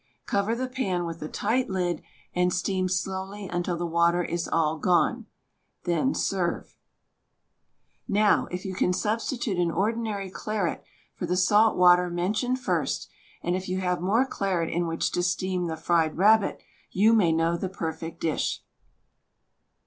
Cover the pan with a tight lid and steam slowly until the water is all gone. Then serve. THE STAG COOK BOOK Now, if you can substitute an ordinary claret for the salt water mentioned first, and if you have more claret in which to steam the fried rabbit you may know the per fect dish!